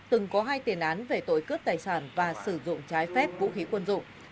từng có hai tiền án về tội cướp tài sản và sử dụng trái phép vũ khí quân dụng